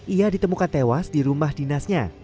ia ditemukan tewas di rumah dinasnya